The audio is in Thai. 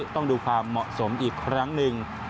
ต้องดูความเหมาะสมอีกครั้งหนึ่ง